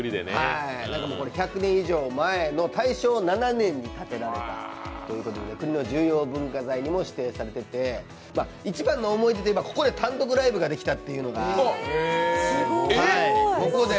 １００年以上前の大正７年に建てられたということで国の重要文化財にも指定されていて一番の思い出といえばここで単独ライブができたっていうのが。